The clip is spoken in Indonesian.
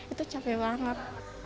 itu capek banget